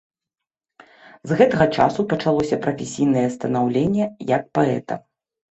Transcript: З гэтага часу пачалося прафесійнае станаўленне як паэта.